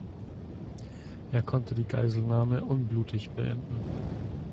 Er konnte die Geiselnahme unblutig beenden.